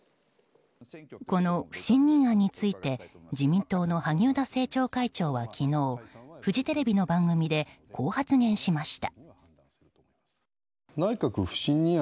この不信任案について自民党の萩生田政調会長は昨日フジテレビの番組でこう発言しました。